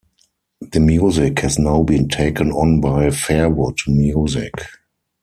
The music has now been taken on by Fairwood Music.